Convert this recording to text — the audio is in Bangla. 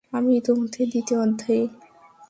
আমি ইতিমধ্যেই দ্বিতীয় অধ্যায়ে।